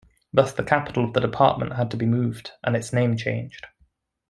Thus the capital of the Department had to be moved, and its name changed.